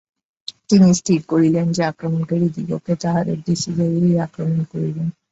তিনি স্থির করিলেন যে, আক্রমণকারীদিগকে তাহাদের দেশে যাইয়াই আক্রমণ করিবেন।